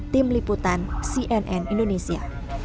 tim liputan cnn indonesia